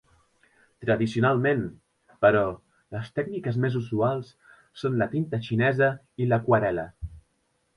Tradicionalment, però, les tècniques més usuals són la tinta xinesa i l'aquarel·la.